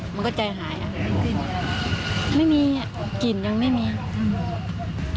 มันก็ใจหายอ่ะไม่มีกลิ่นยังไม่มีอืม